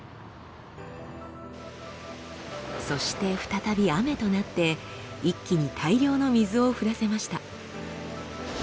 そして再び雨となって一気に大量の水を降らせました。